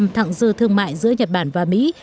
thẳng dư thương mại giữa nhật bản và mỹ